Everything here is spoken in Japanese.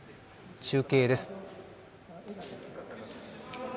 中継です。